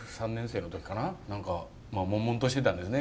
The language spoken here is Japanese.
何かもんもんとしてたんですね